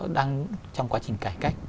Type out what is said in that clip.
đang trong quá trình cải cách